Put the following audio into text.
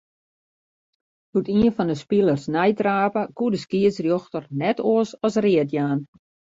Doe't ien fan 'e spilers neitrape, koe de skiedsrjochter net oars as read jaan.